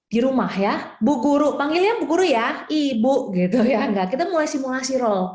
di rumah ya bu guru panggilnya bu guru ya ibu gitu ya enggak kita mulai simulasi roll